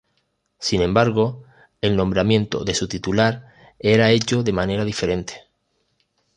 Sin embargo, el nombramiento de su titular era hecho de manera diferente.